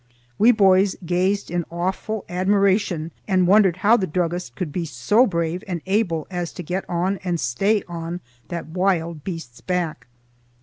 We boys gazed in awful admiration and wondered how the druggist could be so brave and able as to get on and stay on that wild beast's back.